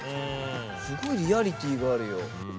すごいリアリティーがあるよ。